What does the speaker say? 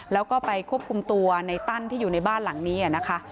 แล้วก็ไปควบคุมตัวในตั้นที่อยู่ในบ้านหลังนี้นะคะ